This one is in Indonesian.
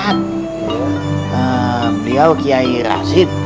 eh beliau kiai rasid